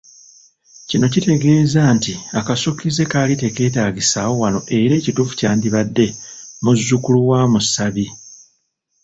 Kino kitegeeza nti akasukkize kaali tekeetaagisaawo wano era ekituufu kyandibadde "Muzzukulu wa musabi."